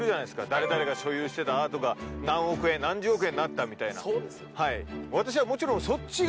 誰々が所有してたアートが何億円、何十億円になったみたいな。